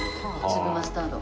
粒マスタード。